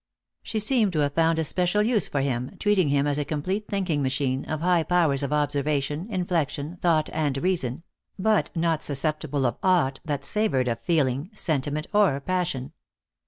She seemed to have found a special use for him, treating him as a complete thinking machine, of high powers of observation, inflection, thought and reason, but not susceptible of aught that savored of feeling, sentiment or passion.